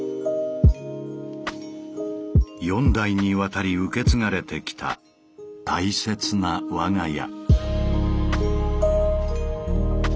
４代にわたり受け継がれてきた大切な我が家。